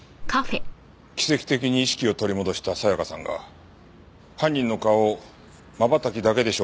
奇跡的に意識を取り戻した沙也加さんが犯人の顔をまばたきだけで証言してくれた。